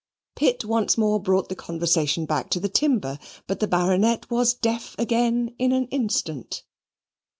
Pitt once more brought the conversation back to the timber, but the Baronet was deaf again in an instant.